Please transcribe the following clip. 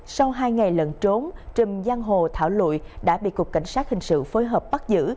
sau hai ngày lẫn trốn trần giang hồ thảo lụi đã bị cục cảnh sát hình sự phối hợp bắt giữ